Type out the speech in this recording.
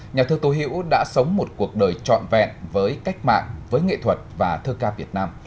nhà thơ tô hữu đã sống một cuộc đời trọn vẹn với cách mạng với nghệ thuật và thơ ca việt nam